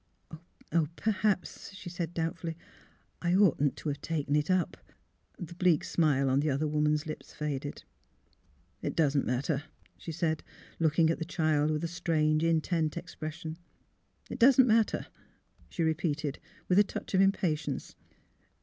" Perhaps," she said, doubtfully, " I oughtn't to have taken it up." The bleak smile on the other woman's lips faded. 280 THE HEART OF PHILURA " It doesn't matter," slie said, looking at the child with a strange, intent expression. '' It doesn't matter," she repeated, with a touch of im patience.